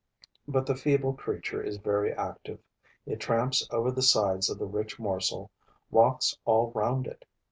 But the feeble creature is very active: it tramps over the sides of the rich morsel, walks all round it.